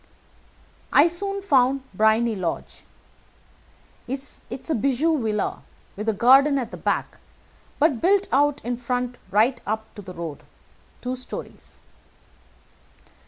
I soon found Briony Lodge. It is a bijou villa, with a garden at the back, but built out in the front right up to the road, two stories.